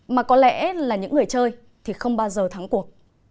mà có lẽ là những người chơi thì không bao giờ thắng cuộc